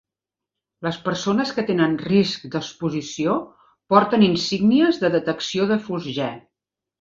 Les persones que tenen risc d"exposició porten insígnies de detecció de fosgè.